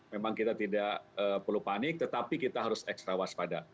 memang kita tidak perlu panik tetapi kita harus ekstra waspada